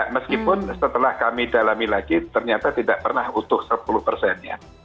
meskipun setelah kami dalami lagi ternyata tidak pernah utuh sepuluh persennya